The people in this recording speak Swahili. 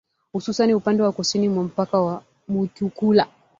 Hususani upande wa kusini mwa mpaka wa Mutukula.